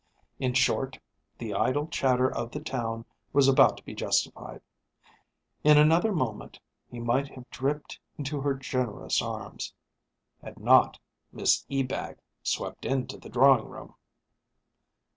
In short, the idle chatter of the town was about to be justified. In another moment he might have dripped into her generous arms ... had not Miss Ebag swept into the drawing room!